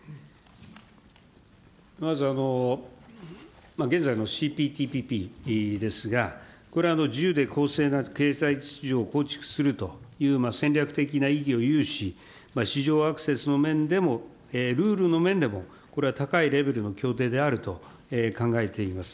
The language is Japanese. まず、現在のＣＰＴＴＰですが、これは自由で公正な経済秩序を構築するという戦略的な意義を有し、市場アクセスの面でも、ルールの面でも、これは高いレベルの協定であると考えています。